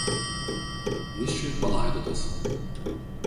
Jis čia ir palaidotas.